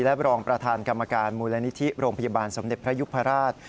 และรองประธานกรรมการมูลนิธิโรงพยาบาลสมเด็จพระยุพราช